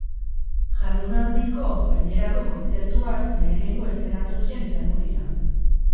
Jardunaldiko gainerako kontzertuak lehenengo eszenatokian izango dira.